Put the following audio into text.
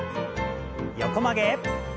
横曲げ。